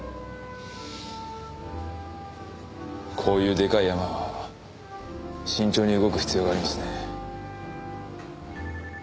こういうでかいヤマは慎重に動く必要がありますね。